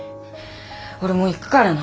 俺もう行くからな。